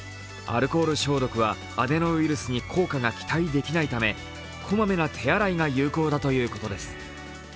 アルコール消毒はアデノウイルスに効果が期待できないため小まめな手洗いが有効だということです。